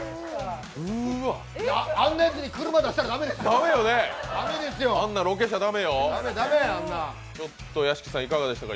あんなやつに車出したら駄目でしょう。